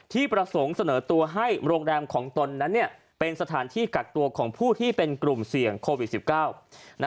ที่ประสงค์เสนอตัวให้โรงแรมของตนนั้นเป็นสถานที่กักตัวของผู้ที่เป็นกลุ่มเสี่ยงโควิด๑๙